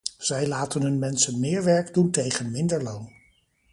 Zij laten hun mensen meer werk doen tegen minder loon.